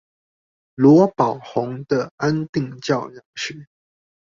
羅寶鴻的安定教養學